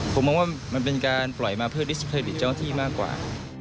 ผมมองว่ามันเป็นการปล่อยมาเพื่อดิสเครดิตเจ้าหน้าที่มากกว่า